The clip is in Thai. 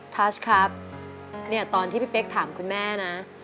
ทัชครับเนี่ยตอนที่พี่เป๊กถามคุณแม่นะ